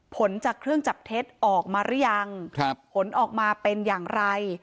ผลจากเครื่องจับเท็จออกมาหรือยังผลออกมาเป็นอย่างไร